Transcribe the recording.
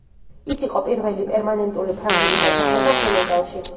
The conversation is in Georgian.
ის იყო პირველი პერმანენტული ფრანგული დასახლება სენეგალში.